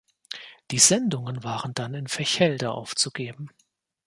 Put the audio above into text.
Die Sendungen waren dann in Vechelde aufzugeben.